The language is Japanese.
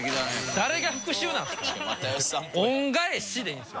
誰が復讐なんですか！